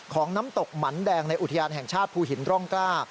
น้ำตกหมันแดงในอุทยานแห่งชาติภูหินร่องกล้า